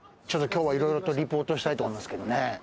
今日は、いろいろと、リポートしたいと思いますけどね。